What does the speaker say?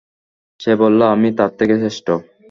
সে বলল, আমি তার থেকে শ্রেষ্ঠ।